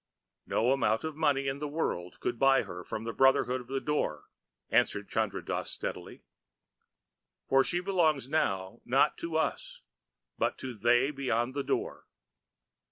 "No amount of money in the world could buy her from the Brotherhood of the Door," answered Chandra Dass steadily. "For she belongs now, not to us, but to They Beyond the Door.